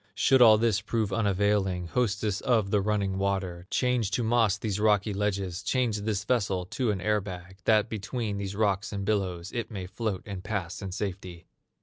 Should all this prove unavailing, Hostess of the running water, Change to moss these rocky ledges, Change this vessel to an air bag, That between these rocks and billows It may float, and pass in safety!